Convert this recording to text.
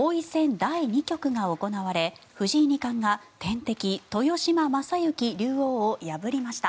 第２局が行われ藤井二冠が天敵・豊島将之竜王を破りました。